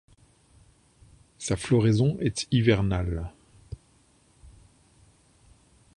Sa floraison est hivernale.